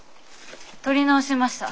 取り直しました。